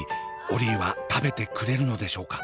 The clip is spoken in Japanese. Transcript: オリィは食べてくれるのでしょうか？